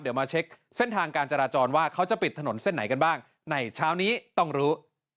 เดี๋ยวมาเช็คเส้นทางการจราจรว่าเขาจะปิดถนนเส้นไหนกันบ้างในเช้านี้ต้องรู้